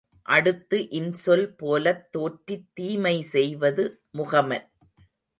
அடுத்து இன்சொல்போலத் தோற்றித் தீமை செய்வது முகமன்.